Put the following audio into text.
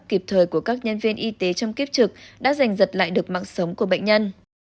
kịp thời của các nhân viên y tế trong kiếp trực đã giành giật lại được mạng sống của bệnh nhân